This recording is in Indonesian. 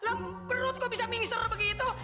lama perut kau bisa mengiser begitu